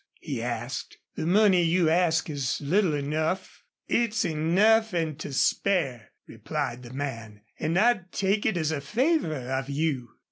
he asked. "The money you ask is little enough." "It's enough an' to spare," replied the man. "An' I'd take it as a favor of you."